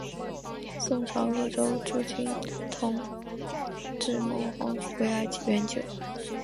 宋朝鄂州诸军都统制孟珙回来援救。